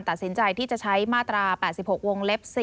ตัดสินใจที่จะใช้มาตรา๘๖วงเล็บ๔